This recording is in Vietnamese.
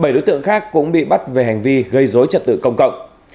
bảy đối tượng khác cũng bị bắt về hành vi gây dối trật tự công cộng